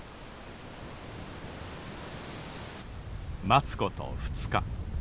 待つこと２日。